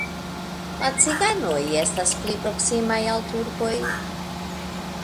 La ciganoj estas pli proksimaj al turkoj.